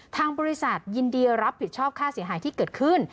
ทางบริษัทยินดีรับผิดชอบค่าเสียหายที่เกิดขึ้น